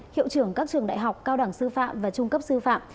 hiệu trưởng các trường đại học cao đẳng sư phạm và trung cấp sư phạm